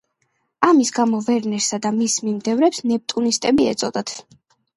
ამის გამო ვერნერსა და მის მიმდევრებს „ნეპტუნისტები“ ეწოდათ.